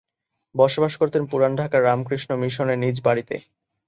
বসবাস করতেন পুরান ঢাকার রামকৃষ্ণ মিশনের নিজ বাড়িতে।